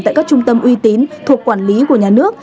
tại các trung tâm uy tín thuộc quản lý của nhà nước